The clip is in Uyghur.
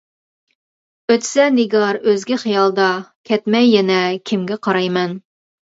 ئۆتسە نىگار ئۆزگە خىيالدا، كەتمەي يەنە كىمگە قارايمەن.